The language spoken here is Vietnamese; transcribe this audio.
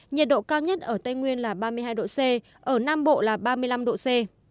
nhiệt độ cao nhất ở tây nguyên là ba mươi hai độ c ở nam bộ là ba mươi năm độ c